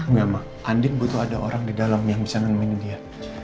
enggak mak andin butuh ada orang di dalam yang bisa nemenin dia